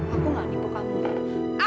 aku enggak nipu kamu lara